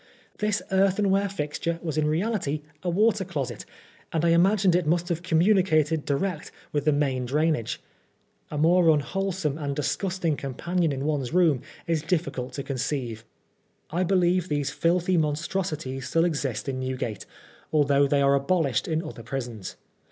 This earthenware fixture was in reality a water closet, and I imagined it must have communicated direct with the main drain age. A more unwholesome and disgusting companion in one's room is difficult to conceive. I believe thes' 88 PRISONER FOR BLASPHEMY. filthy monstrosities still exist in Newgate, although they are abolished in other prisons.